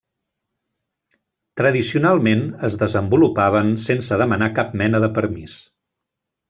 Tradicionalment, es desenvolupaven sense demanar cap mena de permís.